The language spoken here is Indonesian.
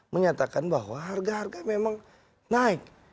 menyatakan bahwa harga harga memang naik